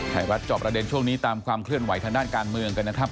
รับจอบประเด็นช่วงนี้ตามความเคลื่อนไหวทางด้านการเมืองกันนะครับ